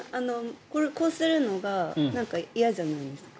こうするのが嫌じゃないですか。